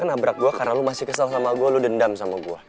nabrak gua karena lu masih kesel sama gua lu dendam sama gua